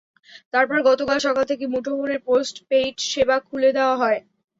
তারপর গতকাল সকাল থেকে মুঠোফোনের পোস্ট পেইড সেবা খুলে দেওয়া হয়।